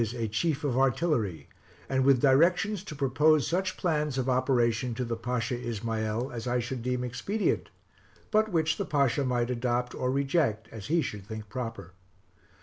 a chief of artillery, and with directions to propose such plans of operation to the Pasha Ismael as I should deem expedient, but which the Pasha might adopt or reject as he should think proper.